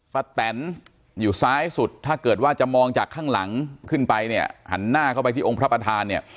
แตนอยู่ซ้ายสุดถ้าเกิดว่าจะมองจากข้างหลังขึ้นไปเนี่ยหันหน้าเข้าไปที่องค์พระประธานเนี่ย